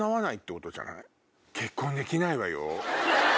結婚できないわよ？